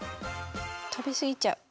たべすぎちゃう。